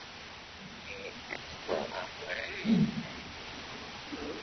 The disciplines offered are: Biblical Exegesis, Church History, Dogmatics, Ethics and Philosophy of Religion.